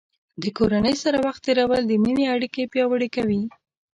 د کورنۍ سره وخت تیرول د مینې اړیکې پیاوړې کوي.